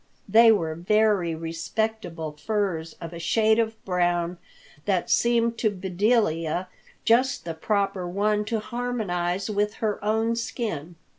They were very respectable furs of a shade of brown that seemed to Bedelia just the proper one to harmonize with her own skin.